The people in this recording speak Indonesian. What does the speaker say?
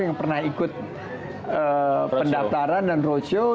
yang pernah ikut pendaftaran dan roadshow